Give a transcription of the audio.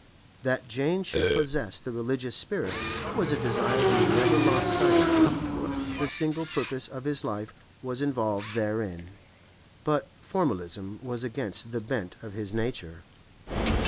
That Jane should possess the religious spirit was a desire he never lost sight of; the single purpose of his life was involved therein; but formalism was against the bent of his nature.